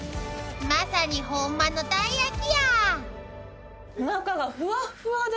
［まさにホンマのたい焼きや］